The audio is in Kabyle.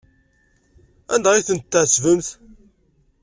Anda ay tent-tɛettbemt?